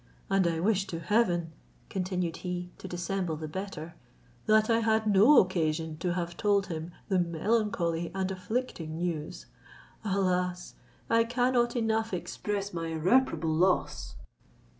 And I wish to Heaven," continued he, to dissemble the better, "that I had no occasion to have told him the melancholy and afflicting news. Alas! I cannot enough express my irreparable loss!"